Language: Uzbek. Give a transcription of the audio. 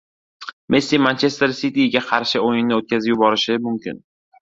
Messi "Manchester Siti"ga qarshi o‘yinni o‘tkazib yuborishi mumkin